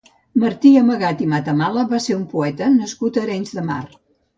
Martí Amagat i Matamala va ser un poeta nascut a Arenys de Mar.